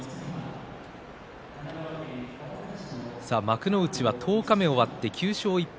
幕内は十日目を終わって９勝１敗